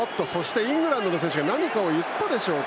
イングランドの選手が何かを言ったでしょうか。